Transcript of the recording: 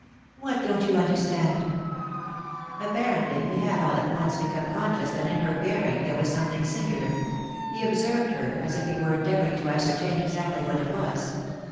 " What don't you understand ?" Apparently he had all at once become conscious that in her bearing there was something singular; he observed her as if he were endeavouring to ascertain exactly what it was.